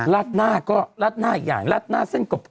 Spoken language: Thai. ลดหน้าก็ลดหน้าอีกอย่างลดหน้าเส้นกรอบ